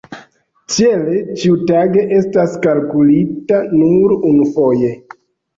Tiele, ĉiu eĝo estas kalkulita nur unufoje.